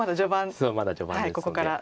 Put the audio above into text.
そうまだ序盤ですので。